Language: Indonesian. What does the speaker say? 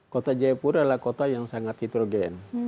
kota jayapura adalah kota yang sangat hitrogen